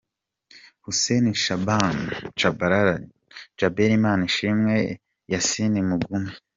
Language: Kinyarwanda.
Hussein Shaban "Tchabalala",Djabel Imanishimwe, Yassin Mugume.